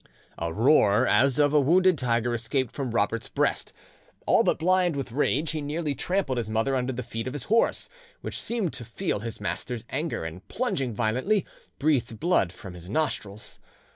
A roar as of a wounded tiger escaped from Robert's breast: all but blind with rage, he nearly trampled his mother under the feet of his horse, which seemed to feel his master's anger, and plunging violently, breathed blood from his nostrils.